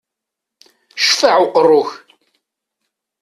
Ccfaɛ uqerru-k!